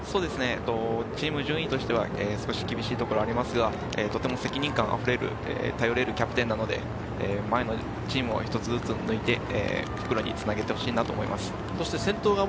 チーム順位は少し厳しいところがありますが、責任感あふれる頼れるキャプテンなので前のチームを一つずつ抜いて、復路につなげてほしいと思います。